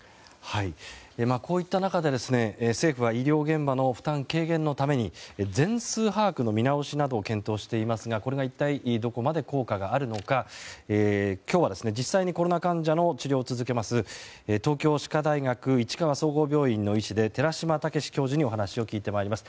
こういった中で政府は医療現場の負担軽減のため全数把握の見直しなどを検討していますがこれが一体どこまで効果があるのか今日は、実際にコロナ患者の治療を続けます東京歯科大学市川総合病院の医師で寺嶋毅教授にお話を聞いてまいります。